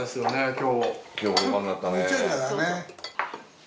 今日豪華になったね。